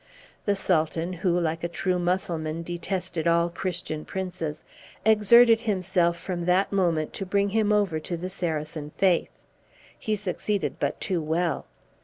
The Sultan, who, like a true Mussulman, detested all Christian princes, exerted himself from that moment to bring him over to the Saracen faith. He succeeded but too well.